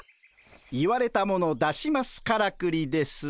「言われたもの出しますからくり」です。